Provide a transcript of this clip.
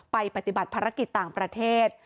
ปฏิบัติภารกิจต่างประเทศ